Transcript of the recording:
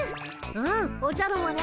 うんおじゃるもね。